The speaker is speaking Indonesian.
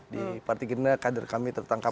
di partai gerindra kader kami tertangkap